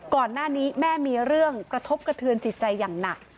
ก่อนหน้านี้แม่มีเรื่องกระทบกระเทือนจิตใจอย่างหนัก